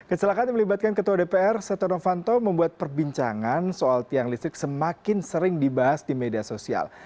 kecelakaan yang melibatkan ketua dpr setia novanto membuat perbincangan soal tiang listrik semakin sering dibahas di media sosial